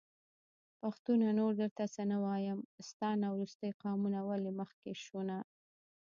پښتونه نور درته څه نه وايم.. ستا نه وروستی قامونه ولي مخکې شو نه